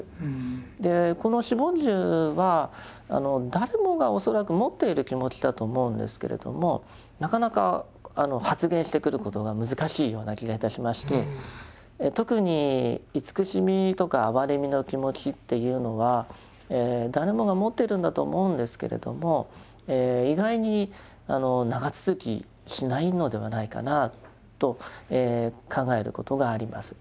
この四梵住は誰もが恐らく持っている気持ちだと思うんですけれどもなかなか発現してくることが難しいような気がいたしまして特に慈しみとか哀れみの気持ちっていうのは誰もが持っているんだと思うんですけれども意外に長続きしないのではないかなと考えることがあります。